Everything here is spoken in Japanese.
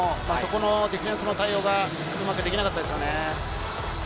ディフェンスの対応がうまくできなかったですね。